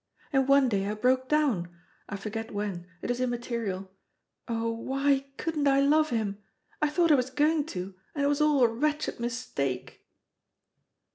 And one day I broke down; I forget when, it is immaterial. Oh, why couldn't I love him! I thought I was going to, and it was all a wretched mistake."